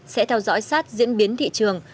sẽ theo dõi sát diễn biến thị trường